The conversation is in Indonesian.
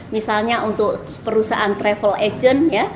misalnya untuk perusahaan travel agent